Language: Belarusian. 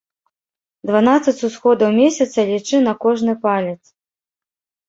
Дванаццаць усходаў месяца лічы на кожны палец.